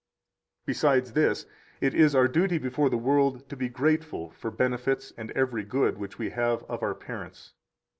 127 Besides this, it is our duty before the world to be grateful for benefits and every good which we have of our parents.